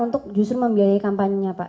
untuk justru membiayai kampanye pak